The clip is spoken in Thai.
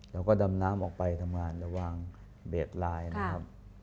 เราก็ดำน้ำออกไปทำงานแล้ววางเบรดลายนะครับ